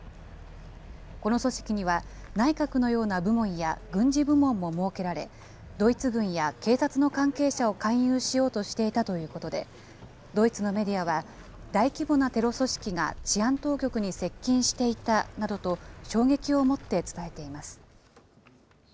この組織には内閣のような部門や軍事部門も設けられ、ドイツ軍や警察の関係者を勧誘しようとしていたということで、ドイツのメディアは大規模なテロ組織が治安当局に接近していたなどと、衝撃をもって伝えています。